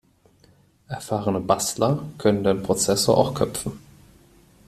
Erfahrene Bastler können den Prozessor auch köpfen.